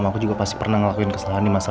aku juga pasti pernah ngelakuin kesalahan di masa